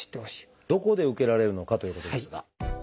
どこで受けられるのかということですが。